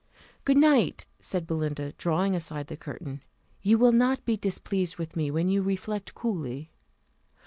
"Good night!" said Belinda, drawing aside the curtain, "You will not be displeased with me, when you reflect coolly."